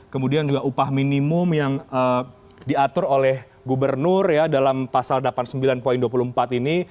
kemudian juga upah minimum yang diatur oleh gubernur ya dalam pasal delapan puluh sembilan dua puluh empat ini